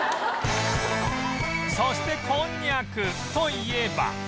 そしてこんにゃくといえば